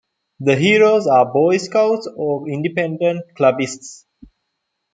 The heroes are boy scouts or independent clubbists.